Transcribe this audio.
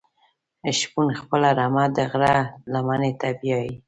شپون خپله رمه د غره لمنی ته بیایی.